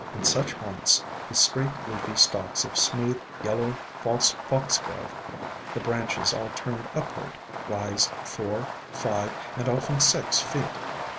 In such haunts the straight, leafy stalks of smooth Yellow False Foxglove, the branches all turned upward, rise four, five, and often six feet.